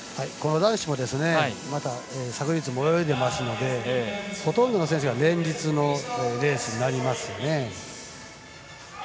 男子も昨日も泳いでますのでほとんどの選手が連日のレースになります。